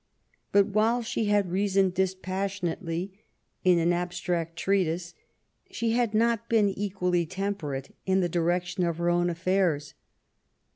But while she had reasoned dispassionately in an abstract treatise,, she had not been equally temperate in the direction of her own afi^airs.